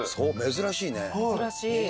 珍しいね。